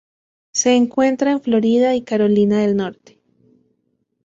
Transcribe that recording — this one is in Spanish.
Se encuentra en Florida y Carolina del Norte.